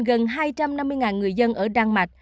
gần hai trăm năm mươi người dân ở đan mạch